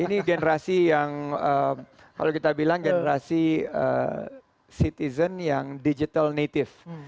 ini generasi yang kalau kita bilang generasi citizen yang digital native